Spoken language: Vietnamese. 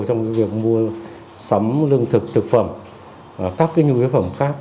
trong việc mua sắm lương thực thực phẩm các nhu yếu phẩm khác